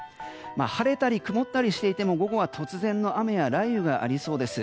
晴れたり曇ったりしていても午後は突然の雨や雷雨がありそうです。